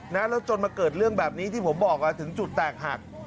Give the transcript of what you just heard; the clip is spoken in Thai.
แล้วจนมาเกิดเรื่องแบบนี้ที่ผมบอกถึงจุดแตกหัก